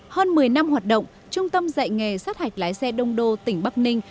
hơn một mươi năm hoạt động trung tâm dạy nghề sát hạch lái xe đông đô tỉnh bắc ninh